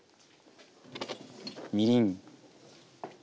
みりん。